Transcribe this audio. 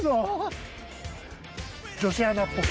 女子アナっぽく。